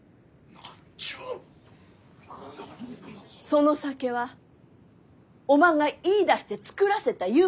その酒はおまんが言いだして造らせたゆうことか？